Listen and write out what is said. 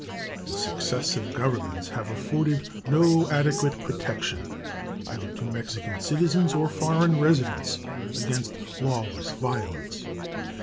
The successive Governments have afforded no adequate protection, either to Mexican citizens or foreign residents, against lawless violence.